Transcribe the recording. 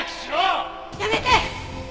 やめて！